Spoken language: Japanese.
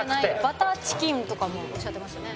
バターチキンとかもおっしゃってましたね。